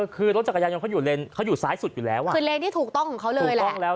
คือรถจักรยานยนต์เขาอยู่นิ่งอันที่นี้ถูกต้องของเขาเลย